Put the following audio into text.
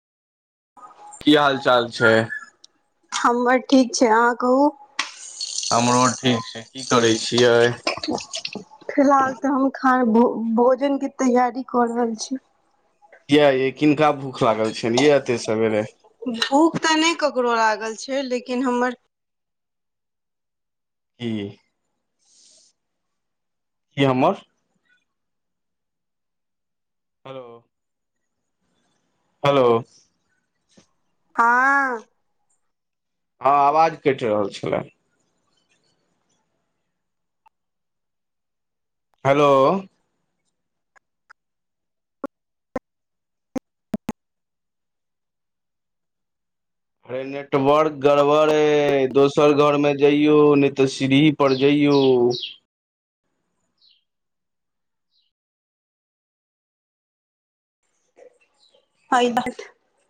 की हाल चाल छै? हमर ठीक छै, अहाँ कहू। हमरो ठीक छै, की करै छियै? फिलहाल त हम खान भो भोजन के तैयारी कर रहल छी। किये ये किनका भूख लागल छनि, ये एते सवेरे। भूख तऽ नहि ककरो लागल छै, लेकिन हमर की की हमर हेलो हेलो हँऽ हँ आवाज कटि रहल छलै। हेलो अरे नेटवर्क गड़बड़ अय, दोसर घर में जइयो ने ते सिढि पर जइयौ। हय बात